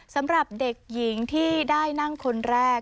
สำหรับเด็กหญิงที่ได้นั่งคนแรก